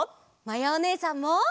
まやおねえさんも！